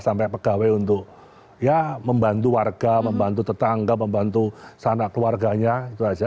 sampai pegawai untuk membantu warga membantu tetangga membantu anak keluarganya itu saja